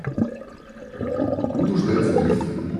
Буду ждать здесь.